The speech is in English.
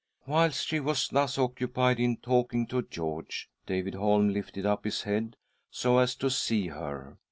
Whilst she was thus occupied in talking to George, David Holm lifted up his head so as to see her.